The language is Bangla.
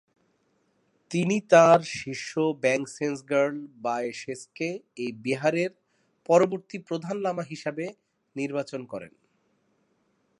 তিনি তার শিষ্য ব্যাং-সেম্স-র্গ্যাল-বা-য়ে-শেসকে এই বিহারের পরবর্তী প্রধান লামা হিসেবে নির্বাচন করেন।